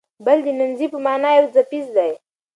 بل د نومځي په مانا یو څپیز دی.